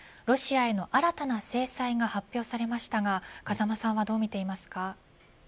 ロシアへの新たな制裁が発表されましたが風間さんはどうみていますか。